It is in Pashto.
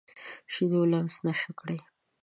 د شیدو لمس نشه کړي